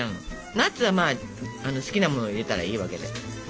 ナッツは好きなものを入れたらいいわけで。